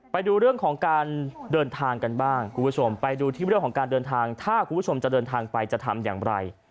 ไปดูเรื่องของการเดินทางกันบ้างคุณผู้ชมไปดูที่เรื่องของการเดินทางถ้าคุณผู้ชมจะเดินทางไปจะทำอย่างไร